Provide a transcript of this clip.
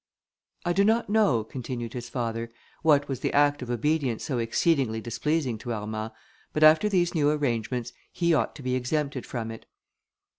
"I do not know," continued his father, "what was the act of obedience so exceedingly displeasing to Armand, but after these new arrangements, he ought to be exempted from it."